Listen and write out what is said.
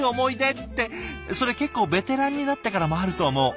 ってそれ結構ベテランになってからもあると思う。